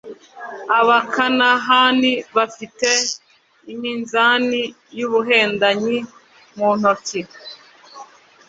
Abakanahani bafite iminzani y’ubuhendanyi mu ntoki,